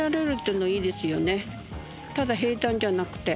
ただ平坦じゃなくて。